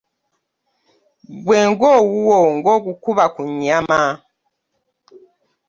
Ggwe ng’owuwo ng’okuba ku nnyama.